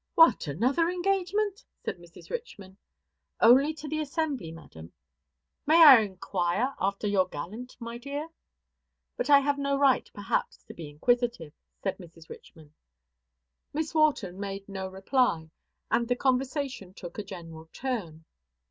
"What, another engagement!" said Mrs. Richman. "Only to the assembly, madam." "May I inquire after your gallant, my dear? But I have no right, perhaps, to be inquisitive," said Mrs. Richman. Miss Wharton made no reply, and the conversation took a general turn.